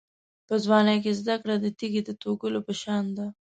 په ځوانۍ کې زده کړه د تېږې د توږلو په شان ده.